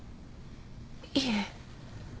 いえ。